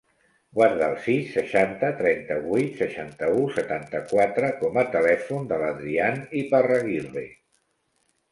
Guarda el sis, seixanta, trenta-vuit, seixanta-u, setanta-quatre com a telèfon de l'Adrián Iparraguirre.